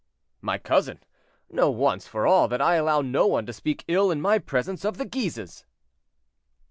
"My cousin, know once for all that I allow no one to speak ill in my presence of the Guises."